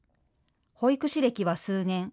保育士歴は数年。